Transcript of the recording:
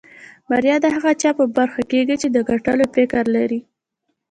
بريا د هغه چا په برخه کېږي چې د ګټلو فکر لري.